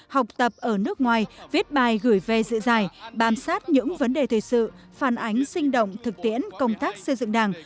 học tập ở nước ngoài viết bài gửi về dự giải bám sát những vấn đề thời sự phản ánh sinh động thực tiễn công tác xây dựng đảng